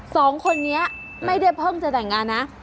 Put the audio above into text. สองคนนี้ไม่ได้เพิ่งจะแต่งงานนะ